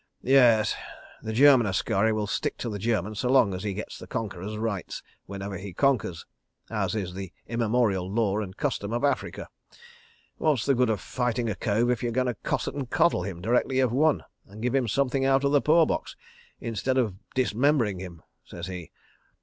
Yes—the German askari will stick to the German so long as he gets the conqueror's rights whenever he conquers—as is the immemorial law and custom of Africa. ... 'What's the good of fighting a cove if you're going to cosset and coddle him directly you've won, and give him something out of the poor box—instead of dismembering him?' says he.